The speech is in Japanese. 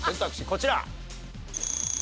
こちら。